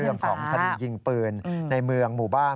เรื่องของคดียิงปืนในเมืองหมู่บ้าน